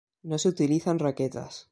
No se utilizan raquetas.